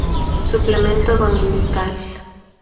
Suplemento dominical.